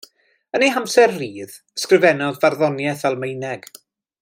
Yn ei hamser rhydd, ysgrifennodd farddoniaeth Almaeneg.